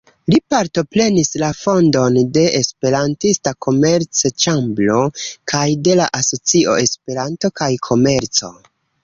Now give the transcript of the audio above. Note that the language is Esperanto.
Li partoprenis la fondon de "Esperantista Komerc-ĉambro" kaj de la asocio "Esperanto kaj komerco".